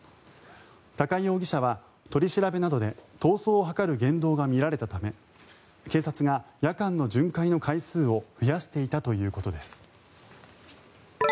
高井容疑者は取り調べなどで逃走を図る言動が見られたため警察が夜間の巡回の回数を増やしていたということです。